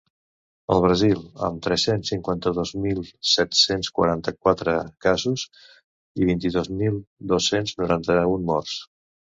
El Brasil, amb tres-cents cinquanta-dos mil set-cents quaranta-quatre casos i vint-i-dos mil dos-cents noranta-un morts.